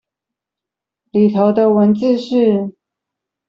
裡頭的文字是